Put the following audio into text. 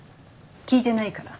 聞いてないから。